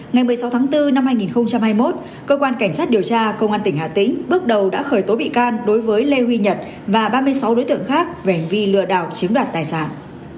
ngày một mươi sáu tháng bốn năm hai nghìn hai mươi một cơ quan cảnh sát điều tra công an tỉnh hà tĩnh bước đầu đã khởi tố bị can đối với lê huy nhật và ba mươi sáu đối tượng khác về hành vi lừa đảo chiếm đoạt tài sản